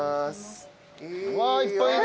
うわいっぱいいる！